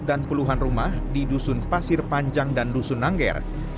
dan puluhan rumah di dusun pasir panjang dan dusun nangger